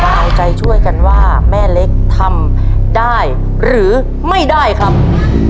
เอาใจช่วยกันว่าแม่เล็กทำได้หรือไม่ได้ครับ